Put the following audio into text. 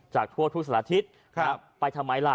จากทั่วทุกสัตว์อาทิตย์ไปทำไมล่ะ